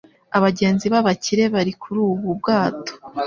Abagenzi b'abakire bari kuri ubu bwato